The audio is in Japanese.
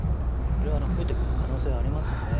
それは増えていく可能性はありますよね。